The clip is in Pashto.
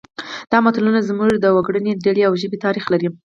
دا متلونه زموږ د وګړنۍ ډلې او ژبې تاریخ لري